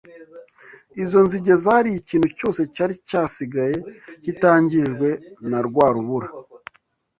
Izo nzige zariye ikintu cyose cyari cyasigaye kitangijwe na rwa rubura